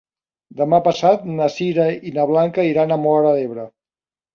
Demà passat na Sira i na Blanca iran a Móra d'Ebre.